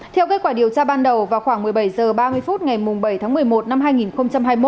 theo kết quả điều tra ban đầu vào khoảng một mươi bảy h ba mươi phút ngày bảy tháng một mươi một năm hai nghìn hai mươi một